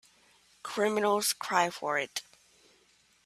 Criminals cry for it.